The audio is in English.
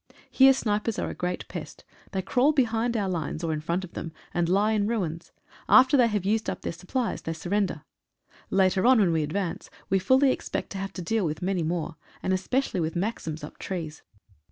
Here snipers are a great pest. They crawl behind our lines, or in front of them, and lie in ruins. After they have used up their supplies they surrender. Later on, when we advance, we fully expect to have to deal with many more, and especially with maxims up trees.